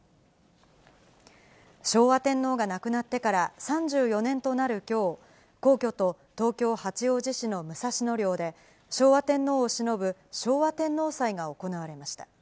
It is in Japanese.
昭和天皇が亡くなってから３４年となるきょう、皇居と東京・八王子市の武蔵野陵で、昭和天皇をしのぶ昭和天皇祭が行われました。